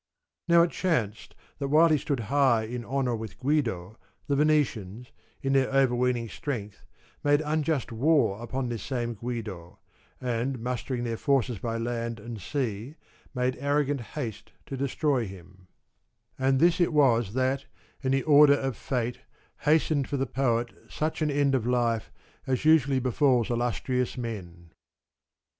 Now it chanced that while he stood high in honour with Guido, the Venetians, in their overweening strength, made unjust war upon this same Guido, and mustering their forces by land and sea made arrogant haste to destroy him ; and this it was that, in the order of fate, hastened for the poet such an end of life as usually befalls illustrious men.